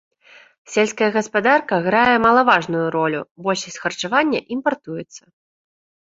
Сельская гаспадарка грае малаважную ролю, большасць харчавання імпартуецца.